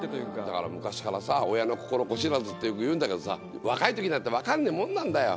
だから昔からさ「親の心子知らず」ってよく言うんだけどさ若い時なんてわかんないもんなんだよ。